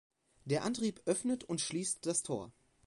Der Antrieb öffnet und schließt das Tor.